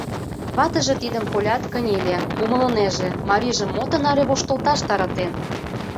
Ватыже тидым колят, кынеле, умылынеже: марийжым мо тынаре воштылташ таратен?